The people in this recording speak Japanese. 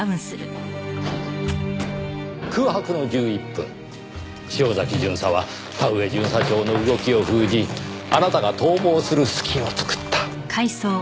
空白の１１分潮崎巡査は田上巡査長の動きを封じあなたが逃亡する隙を作った。